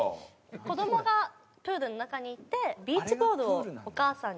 子どもがプールの中にいてビーチボールをお母さんに。